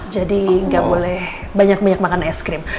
jadi nggak boleh banyak banyak makan es krim